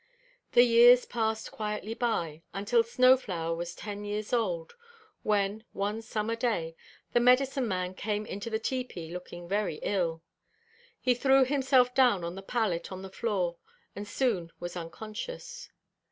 The years passed quietly by, until Snow flower was ten years old, when, one summer day, the medicine man came into the tepee looking very ill. He threw himself down on the pallet on the floor and soon was unconscious.